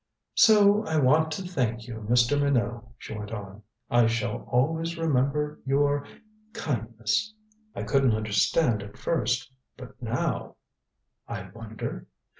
"So I want to thank you, Mr. Minot," she went on. "I shall always remember your kindness. I couldn't understand at first, but now I wonder?